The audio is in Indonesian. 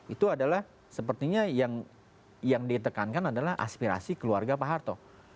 itu adalah sepertinya yang ditekankan adalah aspirasi keluarga pahala